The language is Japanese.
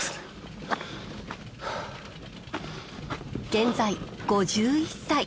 現在５１歳。